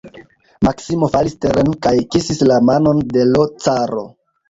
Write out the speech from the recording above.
Maksimo falis teren kaj kisis la manon de l' caro.